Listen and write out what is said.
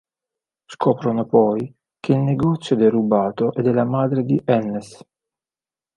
Scoprono poi, che il negozio derubato è della madre di Hannes.